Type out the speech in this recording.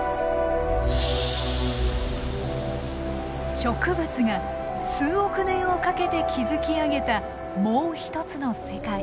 植物が数億年をかけて築き上げたもう一つの世界。